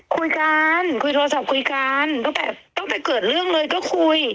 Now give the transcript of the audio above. คุยกันคุยโทรศัพท์คุยกันก็แบบต้องไปเกิดเรื่องเลยก็คุย